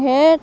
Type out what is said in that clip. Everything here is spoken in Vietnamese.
mà tráng hết